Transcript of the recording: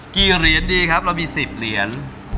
กี่เหรียญดีครับเรามี๑๐เหรียญ